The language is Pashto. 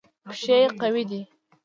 پښې قوي دي.